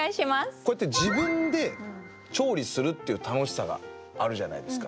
こうやって自分で調理するっていう楽しさがあるじゃないですか。